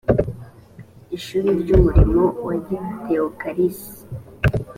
ishuri ry umurimo wa gitewokarasi